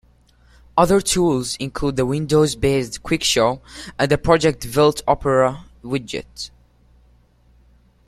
Other tools include the Windows-based QuickShow, and the Project Velt Opera widget.